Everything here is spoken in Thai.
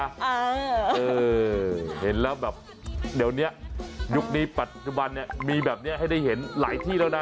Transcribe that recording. เออเห็นแล้วแบบเดี๋ยวนี้ยุคนี้ปัจจุบันเนี่ยมีแบบนี้ให้ได้เห็นหลายที่แล้วนะ